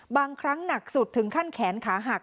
บางครั้งหนักสุดถึงขั้นแขนขาหัก